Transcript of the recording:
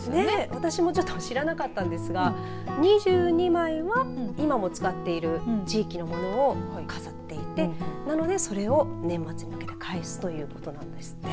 私もちょっと知らなかったんですが２２枚は今も使っている地域のものを飾っていてなのでそれを年末に向けて返すということなんですね。